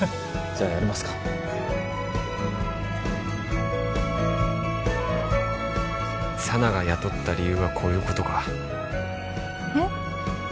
じゃあやりますか佐奈が雇った理由はこういうことかえっ？